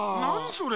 それ。